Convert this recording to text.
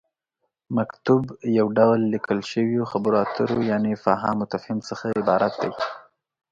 مکتوب: یو ډول ليکل شويو خبرو اترو یعنې فهام وتفهيم څخه عبارت دی